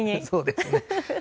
そうですね。